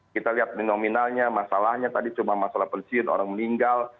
kita lihat nominalnya masalahnya tadi cuma masalah pensiun orang meninggal